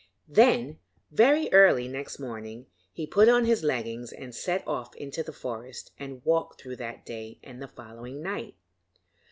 Then, very early next morning, he put on his leggings and set off into the forest and walked through that day and the following night.